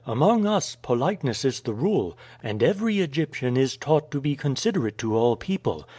"Among us politeness is the rule, and every Egyptian is taught to be considerate to all people.